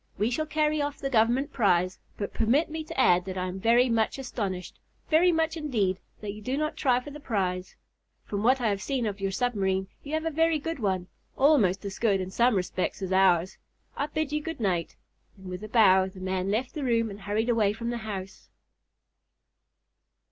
We shall carry off the Government prize, but permit me to add that I am very much astonished, very much indeed, that you do not try for the prize. From what I have seen of your submarine you have a very good one, almost as good, in some respects, as ours. I bid you good night," and with a bow the man left the room and hurried away from the house.